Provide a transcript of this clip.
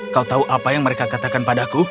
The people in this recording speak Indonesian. kau tahu apa yang mereka katakan padaku